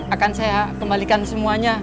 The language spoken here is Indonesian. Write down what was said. akan saya kembalikan semuanya